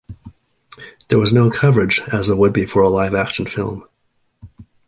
There was no coverage, as there would be for a live-action film.